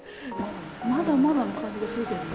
まだまだな感じがするけどね。